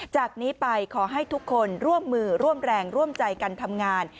จากนี้ไปขอให้ทุกคนร่วมมือร่วมแรงร่วมใจกันทำงาน